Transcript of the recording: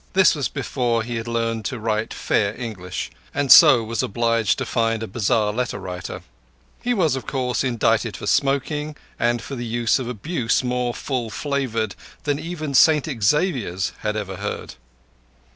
This was before he had learned to write fair English, and so was obliged to find a bazar letter writer. He was, of course, indicted for smoking and for the use of abuse more full flavoured than even St Xavier's had ever heard.